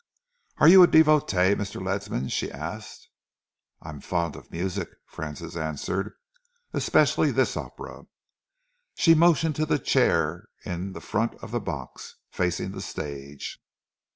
"Are you a devotee, Mr. Ledsam?" she asked. "I am fond of music," Francis answered, "especially this opera." She motioned to the chair in the front of the box, facing the stage.